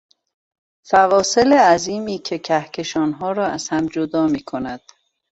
فواصل عظیمی که کهکشانها را از هم جدا میکند